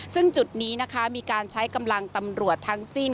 ซึ่งจุดนี้นะคะมีการใช้กำลังตำรวจทั้งสิ้น